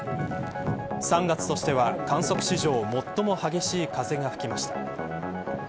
３月としては観測史上最も激しい風が吹きました。